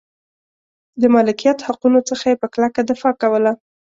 د مالکیت حقونو څخه یې په کلکه دفاع کوله.